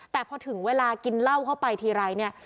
แต่พอถึงเวลากินเหล้าเข้าไปทีไรเนี่ย